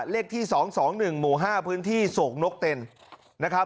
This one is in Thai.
เลขที่สองสองหนึ่งหมู่ห้าพื้นที่โสกนกเต็นนะครับ